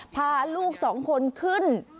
พาลูก๒คนขึ้น